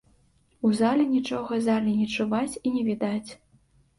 У зале нічога зале не чуваць і не відаць.